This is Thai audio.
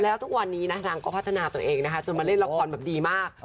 แล้วทุกวันนี้นะนางก็พัฒนาตัวเองนะคะจนมาเล่นละครแบบดีมาก